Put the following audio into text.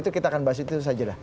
itu kita akan bahas itu saja